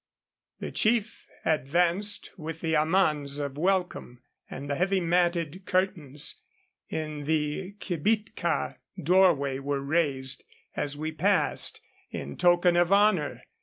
The chief advanced with amans of welcome, and the heavy matted curtains in the kibitka doorway were raised, as we passed, in token of honor.